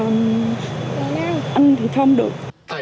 nhưng mà anh thì không được